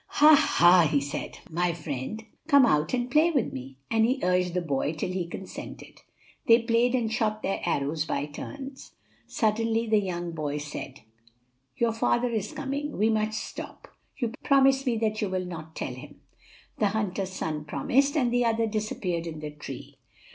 "Ha! ha!" he said, "my friend, come out and play with me." And he urged the boy till he consented. They played and shot their arrows by turns. Suddenly the young boy said, "Your father is coming. We must stop. Promise me that you will not tell him." The hunter's son promised, and the other disappeared in the tree.